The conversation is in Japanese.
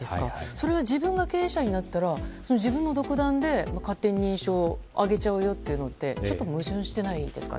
それが自分が経営者になったら自分の独断で勝手に認証をあげちゃうのはちょっと矛盾してないですか？